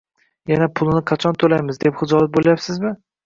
Yana pulini qachon toʻlaymiz, deb hijolat boʻlyapsizmi